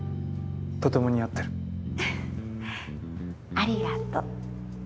ありがとう。